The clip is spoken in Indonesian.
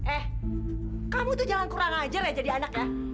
eh kamu tuh jangan kurang ajar ya jadi anak ya